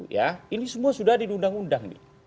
ya ini semua sudah diundang undang